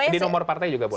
di nomor partai juga boleh